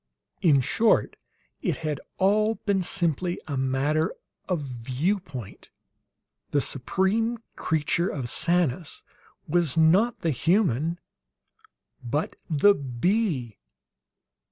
In short, it had all been simply a matter of view point. The supreme creature of Sanus was, not the human, but the bee.